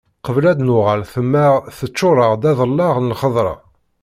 Qbel ad d-nuɣal temmeɣ teččur-aɣ-d aḍellaɛ n lxeḍra.